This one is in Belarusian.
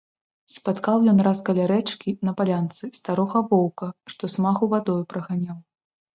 Спаткаў ён раз каля рэчкі, на палянцы, старога воўка, што смагу вадою праганяў.